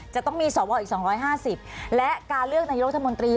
จะต้องมีสวอีก๒๕๐และการเลือกนายกรัฐมนตรี